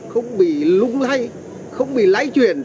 không bị lung thay không bị lấy chuyển